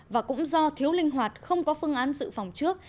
và cũng do thiếu linh hoạt không có phương án dự phòng trước